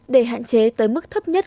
để hạn chế tới mức thấp nhất